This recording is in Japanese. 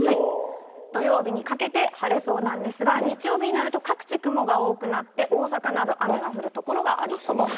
土曜日にかけて晴れそうなんですが、日曜日になると、各地雲が多くなって、大阪など雨が降る所がありそうです。